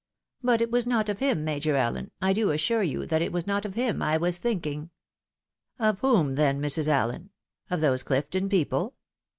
But it was not of him, Major Allen — I do assure you that it was not of him I was thinking." " Of whom, then, Mrs. Allen, — of those Clifton people